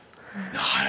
はい。